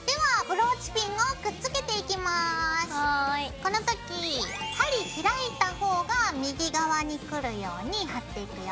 この時針開いた方が右側にくるように貼っていくよ。